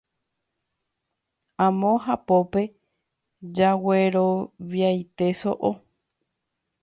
amo hapópe jagueroviaite so'o.